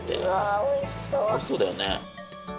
おいしそうだよね。